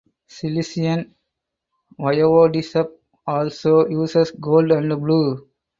Silesian Voivodeship also uses gold and blue.